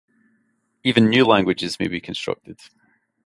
Even new languages may be constructed.